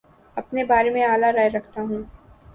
اپنے بارے میں اعلی رائے رکھتا ہوں